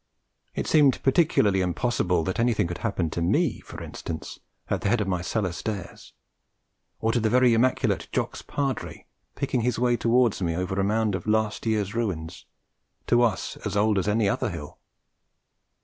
It seemed particularly impossible that anything could happen to me, for instance, at the head of my cellar stairs, or to the very immaculate Jocks' Padre picking his way towards me, over a mound of last year's ruins, to us as old as any other hill.